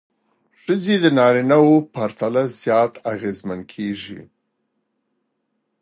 ښځې د نارینه وو پرتله زیات اغېزمنې کېږي.